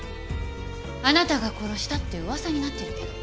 あなたが殺したって噂になってるけど。